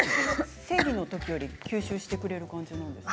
生理のときより吸収してくれる感じなんですか。